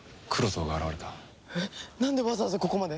えっなんでわざわざここまで？